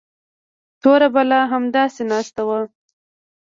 توره بلا همداسې ناسته وه.